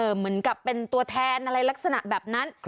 เหมือนกับเป็นตัวแทนอะไรลักษณะแบบนั้น